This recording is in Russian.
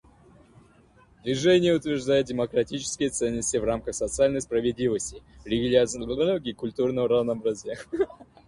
Движение утверждает демократические ценности в рамках социальной справедливости, религиозного и культурного разнообразия.